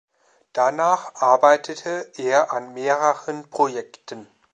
Danach arbeitete er an mehreren Projekten.